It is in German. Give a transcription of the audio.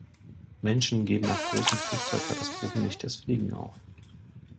Menschen geben nach großen Flugzeugkatastrophen nicht das Fliegen auf.